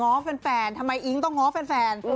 สุดนะฮะสงสารง้อแฟนทำไมอิ๊งต้องง้อแฟน